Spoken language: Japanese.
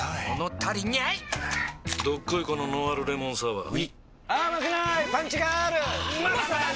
どっこいこのノンアルレモンサワーうぃまさに！